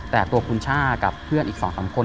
แต่ตัวคุณช่ากับเพื่อนอีก๒๓คน